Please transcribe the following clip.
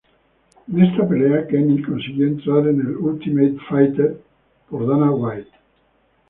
En esta pelea Kenny consiguió entrar en el Ultimate Fighter por Dana White.